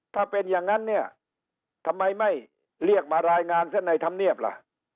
ถ้าเป็นอย่างนั้นเนี่ยทำไมไม่เรียกมารายงานซะในธรรมเนียบล่ะ